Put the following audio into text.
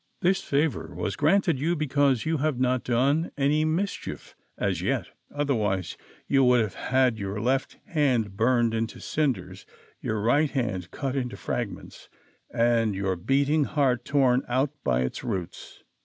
This favor was granted you because you have not done any mischief as yet, otherwise, you would have had your ' left hand burned into cinders ; your rirjht hand cut into fragments^ and your beating heart torn out by its roots.''